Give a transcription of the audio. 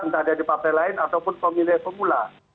entah dia di partai lain ataupun pemilih pemula